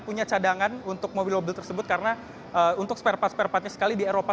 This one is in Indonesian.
punya cadangan untuk mobil mobil tersebut karena untuk spare part spare partnya sekali di eropa